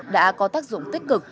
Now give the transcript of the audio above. đã có tác dụng tích cực